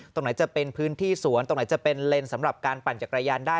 ตรงไหนจะเป็นพื้นที่สวนตรงไหนจะเป็นเลนส์สำหรับการปั่นจักรยานได้